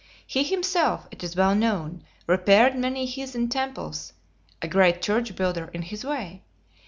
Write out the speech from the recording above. He himself, it is well known, repaired many heathen temples (a great "church builder" in his way!)